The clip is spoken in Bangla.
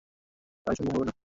তাই সম্ভব হবে না।